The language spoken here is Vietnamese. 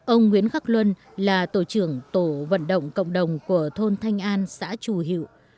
ông nguyễn khắc luân là tổ trưởng tổ vận động cộng đồng của thôn thanh an xã trù hiệu